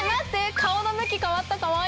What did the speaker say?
顔の向き変わったかわいい！